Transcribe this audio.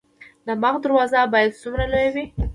د باغ دروازه باید څومره لویه وي؟